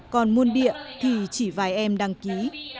còn môn địa thì chỉ vài em đăng ký